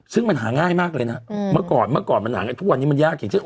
ซึ่งมันหาง่ายมากเลยนะเมื่อก่อนทุกวันนี้มันยากอย่างนี้